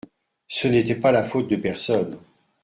Ce n’était pas la faute de personne.